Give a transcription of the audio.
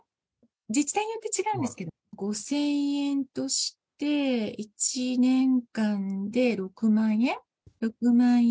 自治体によって違うんですけど５０００円として、１年間で６万円。